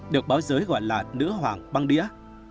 được báo giới gọi là nữ hoàng băng đĩa